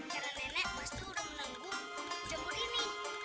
karena nenek pasti sudah menanggu jemur ini